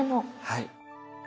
はい。